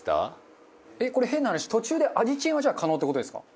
これ変な話途中で味チェンはじゃあ可能って事ですか？